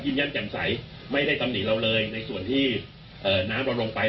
ยืนยันแจ่มใสไม่ได้ตำหนิเราเลยในส่วนที่น้ำเราลงไป